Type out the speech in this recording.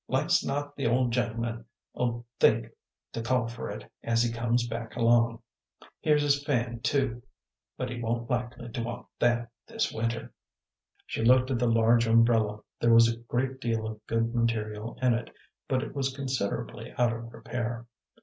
Like's not the old gentleman 'll think to call for it as he comes back along. Here's his fan, too, but he won't be likely to want that this winter." She looked at the large umbrella; there was a great deal of good material in it, but it was considerably out of repair.